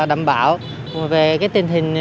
đảm bảo về cái tình hình